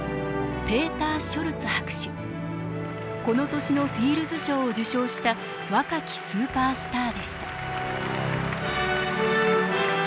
この年のフィールズ賞を受賞した若きスーパースターでした。